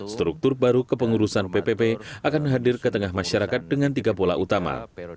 struktur baru kepengurusan ppp akan hadir ke tengah masyarakat dengan tiga pola utama